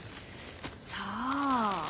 さあ。